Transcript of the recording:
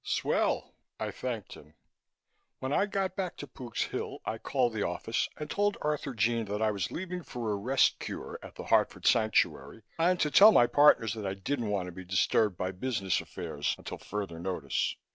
"Swell!" I thanked him. When I got back to Pook's Hill, I called the office and told Arthurjean that I was leaving for a rest cure at the Hartford Sanctuary and to tell my partners that I didn't want to be disturbed by business affairs until further notice.